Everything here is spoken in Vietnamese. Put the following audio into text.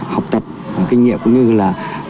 học tập kinh nghiệm cũng như là